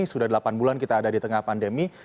sudah delapan bulan kita ada di tengah pandemi